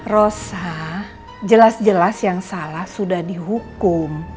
rosa jelas jelas yang salah sudah dihukum